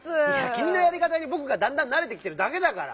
きみのやりかたにぼくがだんだんなれてきてるだけだから！